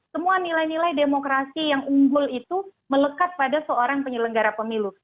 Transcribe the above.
semua nilai nilai demokrasi yang unggul itu melekat pada seorang penyelenggara pemilu